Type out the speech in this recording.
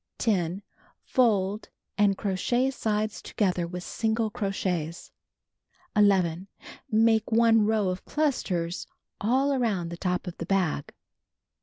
10. Fold, and crochet sides together with single crochets. 11. Make 1 row of clusters all aroimd the top of the bag.